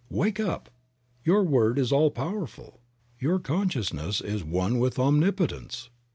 Wake up ! Your word is all powerful, your con sciousness is one with Omnipotence.